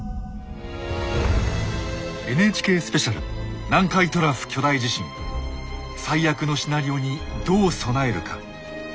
「ＮＨＫスペシャル南海トラフ巨大地震“最悪のシナリオ”にどう備えるか」。